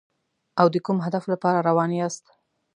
او د کوم هدف لپاره روان یاست.